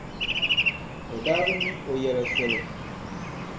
O daa bi mi o yɛla soli.